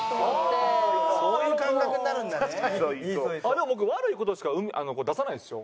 でも僕悪い事しか出さないんですよ。